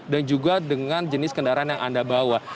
dan juga dengan jenis kendaraan yang anda bawa